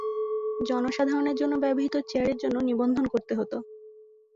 জনসাধারণের জন্যে ব্যবহৃত চেয়ারের জন্য নিবন্ধন করতে হতো।